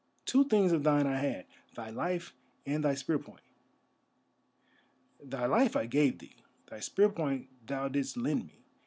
"Two things of thine I had: thy life and thy spear point. Thy life I gave thee, thy spear point thou didst lend me.